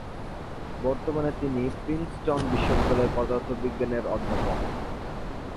বর্তমানে তিনি প্রিন্সটন বিশ্ববিদ্যালয়ের পদার্থবিজ্ঞানের অধ্যাপক।